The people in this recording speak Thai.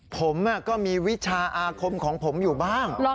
ผมก็มีวิชาอาคมของผมอยู่บ้าง